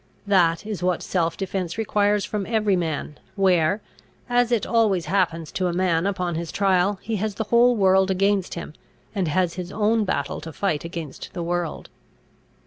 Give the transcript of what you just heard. That is what self defence requires from every man, where, as it always happens to a man upon his trial, he has the whole world against him, and has his own battle to fight against the world.